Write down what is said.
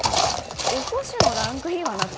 おこしのランクインは納得